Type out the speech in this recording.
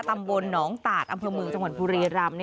ตำบลหนองตาดอำเภอเมืองจังหวัดบุรีรำ